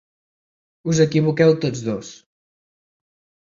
Us equivoqueu tots dos.